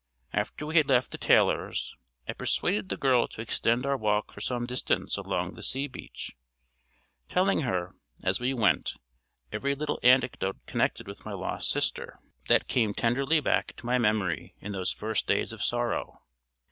After we had left the tailor's, I persuaded the girl to extend our walk for some distance along the sea beach, telling her, as we went, every little anecdote connected with my lost sister that came tenderly back to my memory in those first days of sorrow.